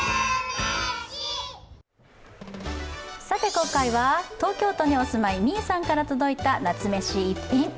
今回は東京都に押すまいみぃさんから届いた夏メシ一品。